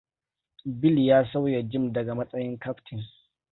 Bill ya sauya Jim daga matsayin kaftin.